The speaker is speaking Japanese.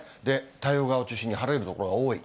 太平洋側を中心に晴れる所が多い。